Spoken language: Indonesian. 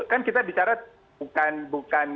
kan kita bicara bukan